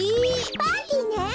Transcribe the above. パーティーね！